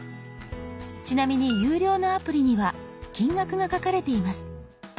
ちなみに有料のアプリには金額が書かれています。